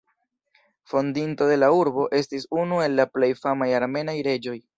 Fondinto de la urbo, estis unu el la plej famaj armenaj reĝoj.